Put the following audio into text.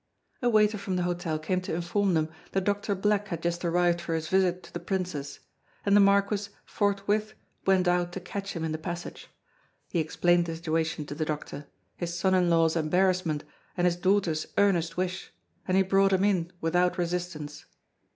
A waiter from the hotel came to inform them that Doctor Black had just arrived for his visit to the Princess; and the Marquis forthwith went out to catch him in the passage. He explained the situation to the doctor, his son in law's embarrassment and his daughter's earnest wish, and he brought him in without resistance.